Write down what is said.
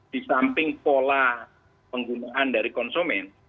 di samping pola penggunaan dari konsumen